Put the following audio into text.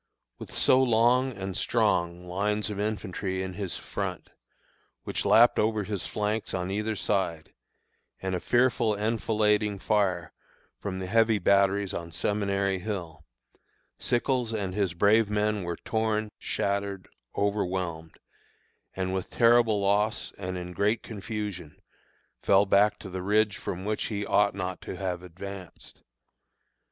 With so long and strong lines of infantry in his front, which lapped over his flanks on either side, and a fearful enfilading fire from the heavy batteries on Seminary Hill, Sickles and his brave men were torn, shattered, overwhelmed, and with terrible loss and in great confusion, fell back to the ridge from which he ought not to have advanced.